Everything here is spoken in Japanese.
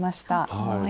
はい。